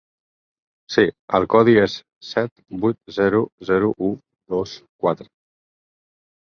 Sí el codi és set vuit zero zero u dos quatre.